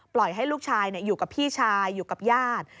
ให้ลูกชายอยู่กับพี่ชายอยู่กับญาติ